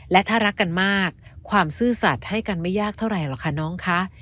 และถ้ารักกันมากความซื่อสัตว์ให้กันไม่ยากเท่าไหร่หรอกค่ะน้องคะ